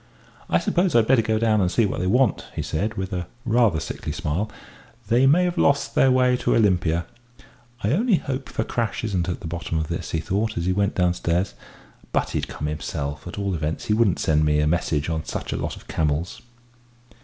"I suppose I'd better go down and see what they want," he said, with rather a sickly smile. "They may have lost the way to Olympia.... I only hope Fakrash isn't at the bottom of this," he thought, as he went downstairs. "But he'd come himself at all events, he wouldn't send me a message on such a lot of camels!"